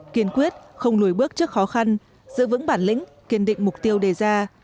kiên quyết không lùi bước trước khó khăn giữ vững bản lĩnh kiên định mục tiêu đề ra